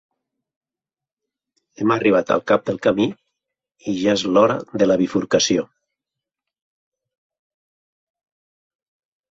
Hem arribat al cap del camí i ja és l'hora de la bifurcació.